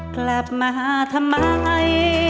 กลับมาทำไม